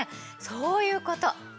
そういうこと。